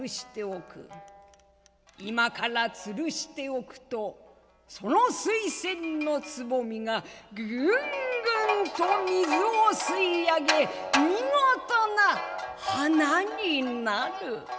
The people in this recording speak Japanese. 今からつるしておくとその水仙のつぼみがグングンと水を吸い上げ見事な花になる」。